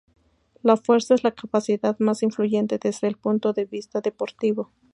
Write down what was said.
La fuerza es la capacidad más influyente desde el punto de vista deportivo.